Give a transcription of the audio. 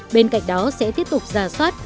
bên cạnh đó sẽ tiếp tục ra soát